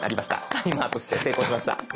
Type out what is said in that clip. タイマーとして成功しました。